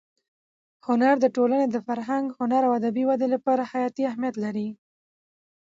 هنر د ټولنې د فرهنګ، هنر او ادبي ودې لپاره حیاتي اهمیت لري.